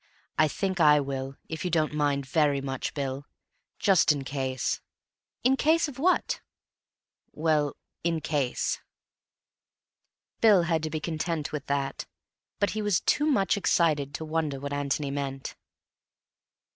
"I think I will, if you don't mind very much, Bill. Just in case." "In case of what?" "Well, in case." Bill, had to be content with that, but he was too much excited to wonder what Antony meant.